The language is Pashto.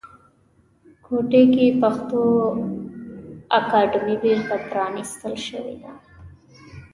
کوټې کې پښتو اکاډمۍ بیرته پرانیستل شوې ده